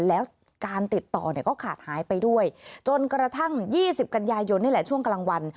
แล้วการติดต่อเนี่ยก็ขาดหายไปด้วยจนกระทั่ง๒๐กันยายนนี่แหละช่วงกลางวัน